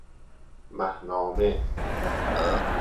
مهنامه